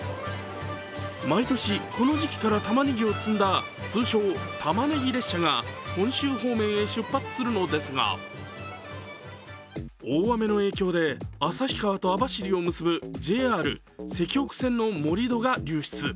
毎年、この時期からたまねぎを積んだ、通称・タマネギ列車が本州方面へ出発するのですが大雨の影響で旭川と網走を結ぶＪＲ石北線の盛り土が流出。